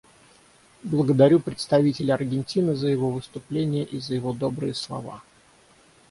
Благодарю представителя Аргентины за его выступление и за его добрые слова.